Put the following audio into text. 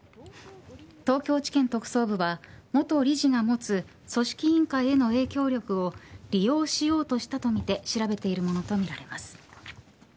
東京地検特捜部は元理事が持つ組織委員会への影響力を利用しようとしたとみて調べているものとみられます。